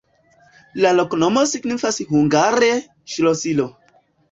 La loknomo signifas hungare: ŝlosilo.